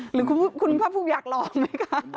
หรือคุณภาคภูมิอยากลองไหมคะ